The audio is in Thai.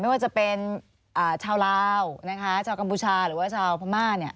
ไม่ว่าจะเป็นชาวลาวชาวกัมพูชาหรือว่าชาวประมาณ